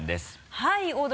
はい。